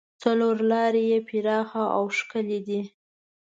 څلور لارې یې پراخه او ښکلې دي.